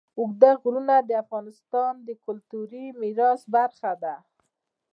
اوږده غرونه د افغانستان د کلتوري میراث برخه ده.